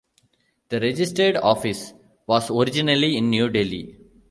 The registered office was originally in New Delhi.